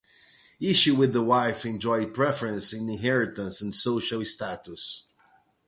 Issue with the wife enjoyed preference in inheritance and social status.